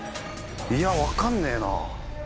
いや分かんねえな。